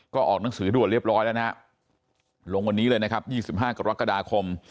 ก็ออกหนังสือด่วนเรียบร้อยแล้วนะฮะลงวันนี้เลยนะครับ๒๕กรกฎาคม